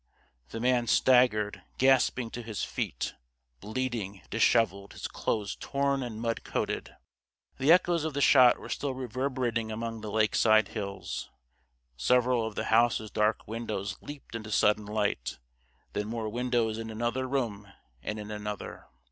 The man staggered, gasping, to his feet; bleeding, disheveled, his clothes torn and mud coated. The echoes of the shot were still reverberating among the lakeside hills. Several of the house's dark windows leaped into sudden light then more windows in another room and in another.